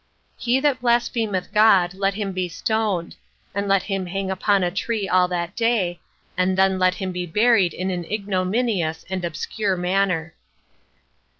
6. He that blasphemeth God, let him be stoned; and let him hang upon a tree all that day, and then let him be buried in an ignominious and obscure manner.